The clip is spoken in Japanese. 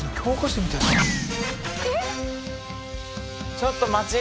ちょっと待ち！